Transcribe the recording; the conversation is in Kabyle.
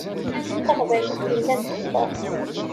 Taɣbalut yellan teqqur.